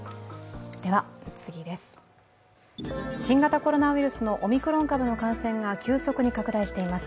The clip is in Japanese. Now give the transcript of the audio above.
新型コロナウイルスのオミクロン株の感染が急速に拡大しています。